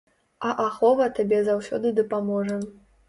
А ахова табе заўсёды дапаможа.